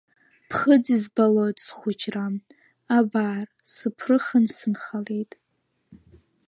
Ԥхыӡ избалоит схәыҷра, абар, сыԥрыхын сынхалеит.